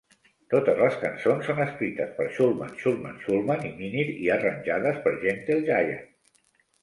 Totes les cançons són escrites per Shulman, Shulman, Shulman i Minnear i arranjades per Gentle Giant.